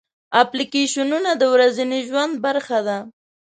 اپلیکیشنونه د ورځني ژوند برخه ده.